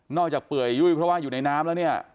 เปื่อยยุ่ยเพราะว่าอยู่ในน้ำแล้วเนี่ย